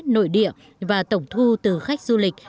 nội địa và tổng thu từ khách du lịch